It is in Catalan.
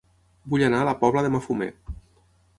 Vull anar a La Pobla de Mafumet